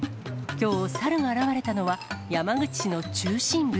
きょう、猿が現れたのは、山口市の中心部。